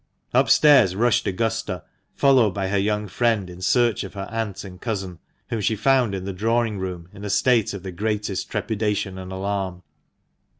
Upstairs rushed Augusta, followed by her young friend, in search of her aunt and cousin, whom she found in the drawing room in a state of the greatest trepidation and alarm.